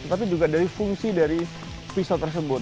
tapi juga dari fungsi dari pisau tersebut